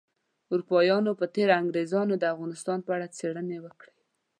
اروپایانو په تیره انګریزانو د افغانستان په اړه څیړنې وکړې